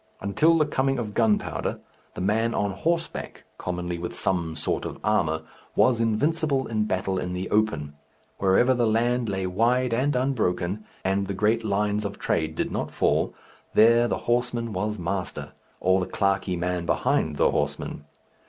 Until the coming of gunpowder, the man on horseback commonly with some sort of armour was invincible in battle in the open. Wherever the land lay wide and unbroken, and the great lines of trade did not fall, there the horseman was master or the clerkly man behind the horseman.